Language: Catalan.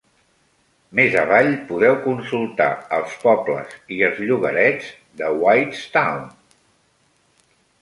Més avall podeu consultar els pobles i els llogarets de Whitestown.